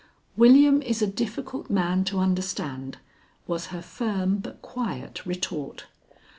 "William is a difficult man to understand," was her firm but quiet retort.